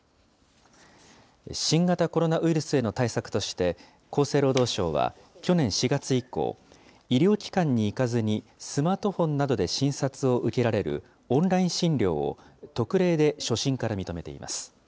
新型コロナウイルスへの対策として、厚生労働省は去年４月以降、医療機関に行かずに、スマートフォンなどで診察を受けられるオンライン診療を、特例で初診から認めています。